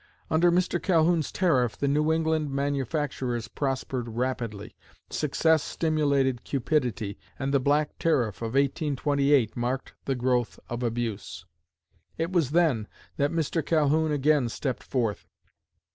Under Mr. Calhoun's tariff the New England manufacturers prospered rapidly.... Success stimulated cupidity, and the "black tariff" of 1828 marked the growth of abuse.... It was then that Mr. Calhoun again stepped forth.